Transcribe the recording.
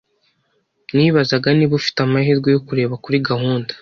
Nibazaga niba ufite amahirwe yo kureba kuri gahunda.